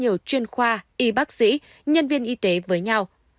với rất nhiều chuyên khoa y bác sĩ nhân viên y tế với nhau